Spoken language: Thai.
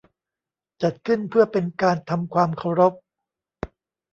จัดขึ้นเพื่อเป็นการทำความเคารพ